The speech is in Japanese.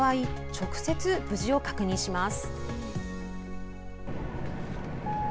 直接、無事を確認します。